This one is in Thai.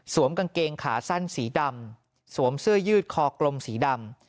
กางเกงขาสั้นสีดำสวมเสื้อยืดคอกลมสีดำ